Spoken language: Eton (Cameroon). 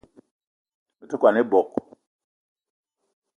Me te kwan ebog